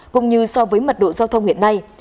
cũng như so với mật độ giao thông hiện nay